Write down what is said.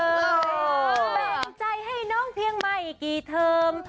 แบ่งใจให้น้องเพียงใหม่กี่เทอม